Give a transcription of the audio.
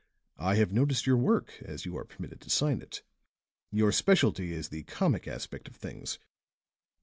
"I have noticed your work, as you are permitted to sign it. Your specialty is the comic aspect of things.